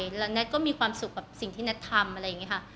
แล้วแท็กก็มีความสุขกับสิ่งที่แท็กทำอะไรอย่างนี้ค่ะ